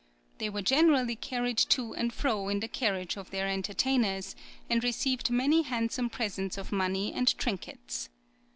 They were generally carried to and fro in the carriage of their entertainers, and received many handsome presents of money and trinkets.